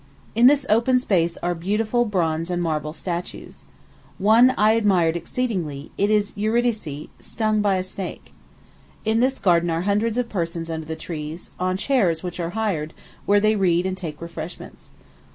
In this open space are beautiful bronze and marble statues. One I admired exceedingly; it is Eurydice, stung by a snake. In this garden are hundreds of persons under the trees, on chairs, which are hired, where they read and take refreshments.